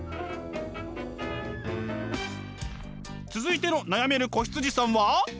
続いての悩める子羊さんは？